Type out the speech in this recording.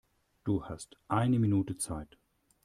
Du hast eine Minute Zeit.